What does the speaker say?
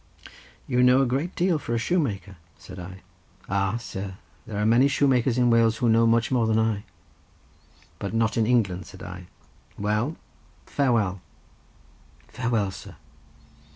"You know a great deal for a shoemaker," said I. "Ah, sir; there are many shoemakers in Wales who know much more than I." "But not in England," said I. "Well, farewell." "Farewell, sir.